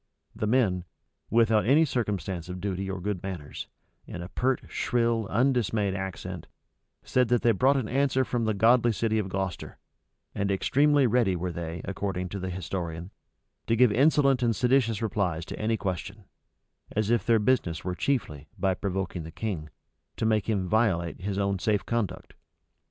The men, without any circumstance of duty or good manners, in a pert, shrill, undismayed accent, said that they brought an answer from the godly city of Gloucester; and extremely ready were they, according to the historian, to give insolent and seditious replies to any question; as if their business were chiefly, by provoking the king, to make him violate his own safe conduct.